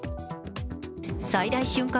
最大瞬間